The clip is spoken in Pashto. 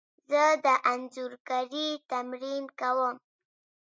زه د انځورګري تمرین کوم.